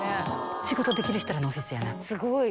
仕事できる人らのオフィスやな。